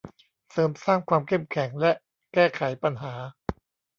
เสริมสร้างความเข้มแข็งและแก้ไขปัญหา